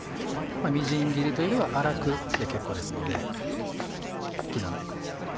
みじん切りというよりは粗くで結構ですので刻んでください。